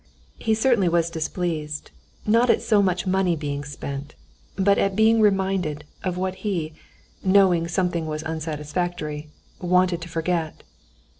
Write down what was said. He certainly was displeased not at so much money being spent, but at being reminded of what he, knowing something was unsatisfactory, wanted to forget.